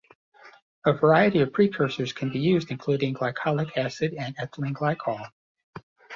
A variety of precursors can be used including glycolic acid and ethylene glycol.